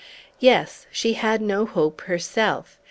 Yes, she had no hope herself!